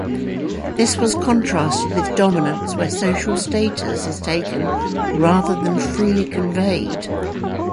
This was contrasted with dominance where social status is taken rather than freely conveyed.